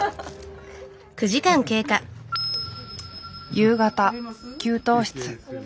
夕方給湯室。